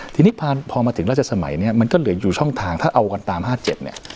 ทีนี้พอมาถึงราชสมัยเนี่ยมันก็เหลืออยู่ช่องทางถ้าเอากันตาม๕๗เนี่ย